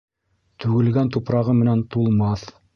Түгелгән тупрағы менән тулмаҫ